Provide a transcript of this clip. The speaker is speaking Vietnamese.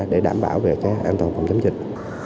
để đảm bảo về cái an toàn phòng chống dịch